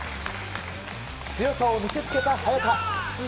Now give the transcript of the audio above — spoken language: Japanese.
強さを見せつけた早田出場